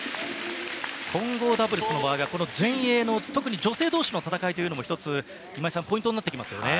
混合ダブルスの場合は前衛の、特に女性同士の戦いが１つポイントになってきますね。